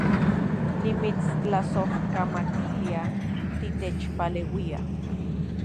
Nimitstlasojkamatilia titechpaleuia